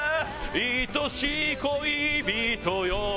「愛しい恋人よ」